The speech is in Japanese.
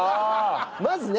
まずね。